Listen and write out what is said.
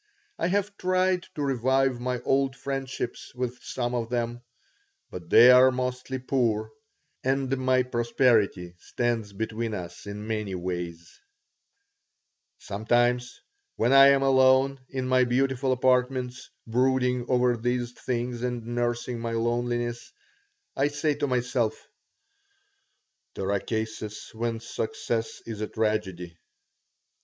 I have tried to revive my old friendships with some of them, but they are mostly poor and my prosperity stands between us in many ways Sometimes when I am alone in my beautiful apartments, brooding over these things and nursing my loneliness, I say to myself: "There are cases when success is a tragedy."